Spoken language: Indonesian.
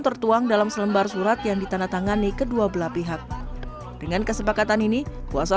tertuang dalam selembar surat yang ditandatangani kedua belah pihak dengan kesepakatan ini kuasa